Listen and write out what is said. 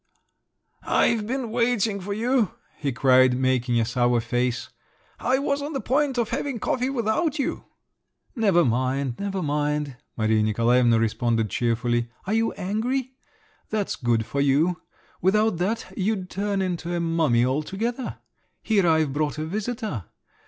"I've been waiting for you!" he cried, making a sour face. "I was on the point of having coffee without you." "Never mind, never mind," Maria Nikolaevna responded cheerfully. "Are you angry? That's good for you; without that you'd turn into a mummy altogether. Here I've brought a visitor.